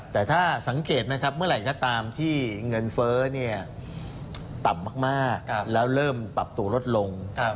แต่ถ้าสังเกตไหมครับเมื่อไหร่ก็ตามที่เงินเฟ้อต่ำมากแล้วเริ่มปรับตัวลดลง